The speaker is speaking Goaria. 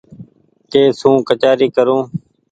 ڪي سون ڪچآري ڪرون ۔